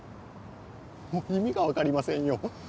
もう意味が分かりませんよ。